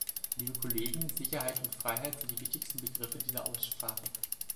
Liebe Kollegen, Sicherheit und Freiheit sind die wichtigsten Begriffe dieser Aussprache.